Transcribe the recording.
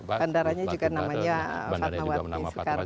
bandaranya juga namanya fatmawati